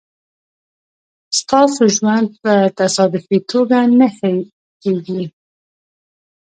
ستاسو ژوند په تصادفي توگه نه ښه کېږي